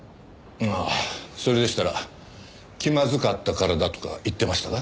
ああそれでしたら気まずかったからだとか言ってましたが。